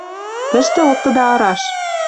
Тӹштӹ оптыда араш...